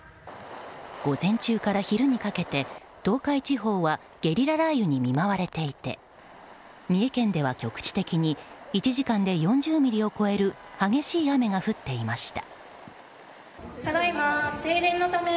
午前中から昼にかけて東海地方はゲリラ雷雨に見舞われていて三重県では局地的に１時間で４０ミリを超える激しい雨が降っていました。